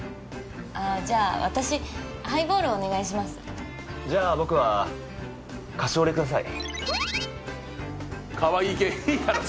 ああじゃ私ハイボールお願いしますじゃ僕はカシオレください